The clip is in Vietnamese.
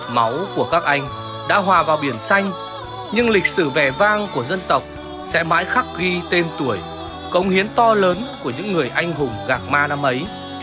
máu của các anh đã hòa vào biển xanh nhưng lịch sử vẻ vang của dân tộc sẽ mãi khắc ghi tên tuổi công hiến to lớn của những người anh hùng gạc ma năm ấy